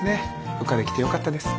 羽化できてよかったです。